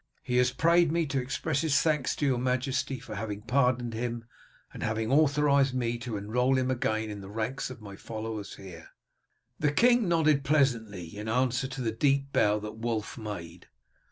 He has prayed me to express his thanks to your majesty for having pardoned him, and having authorized me to enrol him again in the ranks of my followers here." The king nodded pleasantly in answer to the deep bow that Wulf made.